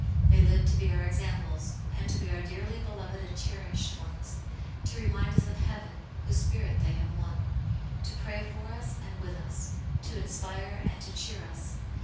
They live to be our examples ; to be our dearly beloved and cherished ones ; to remind us of heaven, whose spirit they have won ; to pray for us and with us ; to inspire and to cheer us.